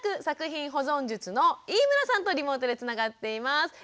作品保存術！」の飯村さんとリモートでつながっています。